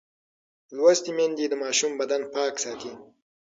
لوستې میندې د ماشوم بدن پاک ساتي.